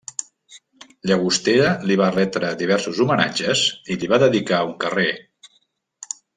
Llagostera li va retre diversos homenatges i li va dedicar un carrer.